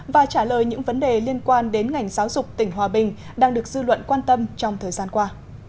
và trả lời những vấn đề liên quan đến ngành giáo dục tỉnh hòa bình đang được dư luận quan tâm trong thời gian qua